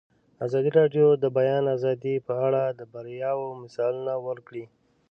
ازادي راډیو د د بیان آزادي په اړه د بریاوو مثالونه ورکړي.